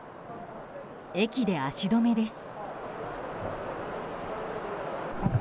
駅で足止めです。